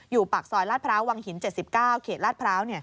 อยู่ปากซอยราชพร้าววังหิน๗๙เขตรราชพร้าว